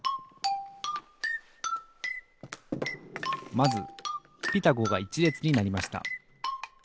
まず「ピタゴ」が１れつになりました